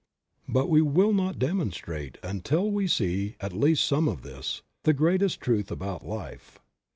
But we will not demonstrate until we see at least some of this, the greatest truth about life.